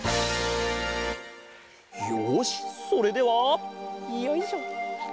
よしそれではよいしょ。